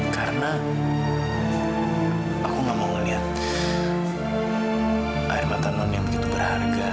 karena aku gak mau ngelihat air mata non yang begitu berharga